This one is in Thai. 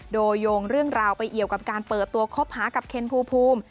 โดยโยงเรื่องราวไปเอี่ยวกับการเปิดตัวคบหากับเคนภูมิ